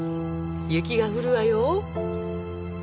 雪が降るわよ